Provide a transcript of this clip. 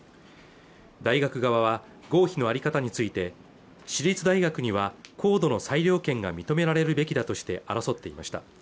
大学側は合否の在り方について私立大学には高度の裁量権が認められるべきだとして争っていました